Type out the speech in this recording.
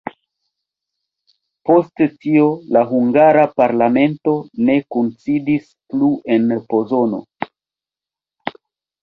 Post tio la hungara parlamento ne kunsidis plu en Pozono.